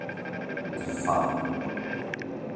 Die Fa.